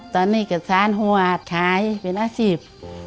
ตอนนี้ก็สารหัวขายเป็นอาชีพ